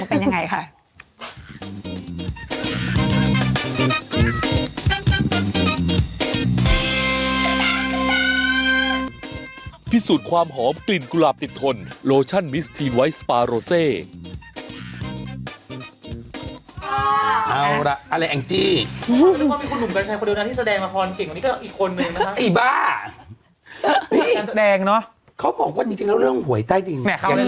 วันนี้ก็อีกคนเลยนะฮะไอบ้านี่แสดงเนอะเขาบอกว่าได้รู้เรื่องหวยใต้ดิน